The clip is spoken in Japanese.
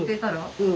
うん。